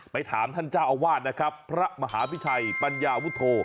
ถามท่านเจ้าอาวาสนะครับพระมหาพิชัยปัญญาวุฒโธ